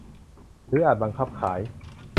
หรืออาจบังคับขาย